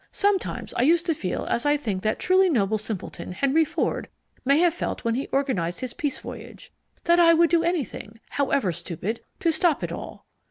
Sometimes I used to feel as I think that truly noble simpleton Henry Ford may have felt when he organized his peace voyage that I would do anything, however stupid, to stop it all.